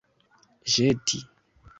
ĵeti